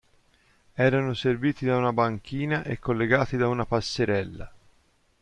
Erano serviti da una banchina e collegati da una passerella.